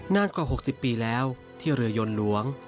นานกว่า๖๐ปีแล้วที่เรือยนหลวง